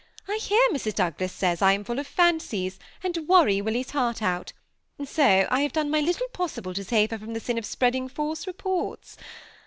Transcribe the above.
I hear Mrs. Douglas says I am full of fancies, and worry Willy's heart out ; so I have done my little possible to save her from the sin of spreading false reports.